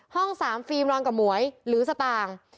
๓ฟิล์มนอนกับหมวยหรือสตางค์